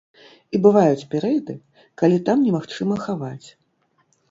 І бываюць перыяды, калі там немагчыма хаваць.